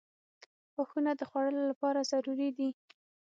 • غاښونه د خوړلو لپاره ضروري دي.